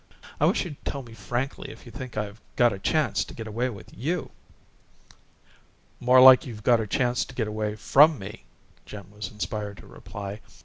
I wish you'd tell me frankly if you think I've got a chance to get away with YOU?" "More like if you've got a chance to get away FROM me!" Jim was inspired to reply.